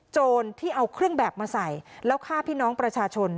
โจรที่เอาเครื่องแบบมาใส่แล้วฆ่าพี่น้องประชาชน